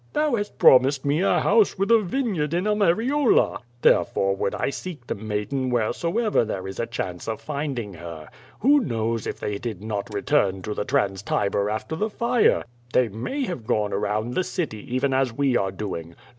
"Thou has promised me a house with a vineyard in Arae riole. Therefore would I seek the maiden wheresoever there is a chance of finding her. Who knows if they did not re turn to the Trans TiW after the fire? They may have gone t 234 QUO VADI8. around the city even as we are doing.